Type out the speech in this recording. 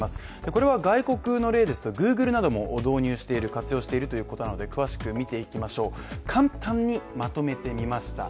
これは外国の例だとグーグルなども活用しているので詳しく見ていきましょう簡単にまとめてみました。